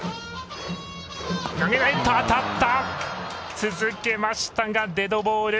続けましたがデッドボール。